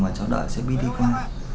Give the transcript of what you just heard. và cháu đợi xe buýt đi qua